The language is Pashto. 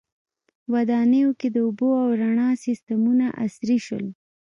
• ودانیو کې د اوبو او رڼا سیستمونه عصري شول.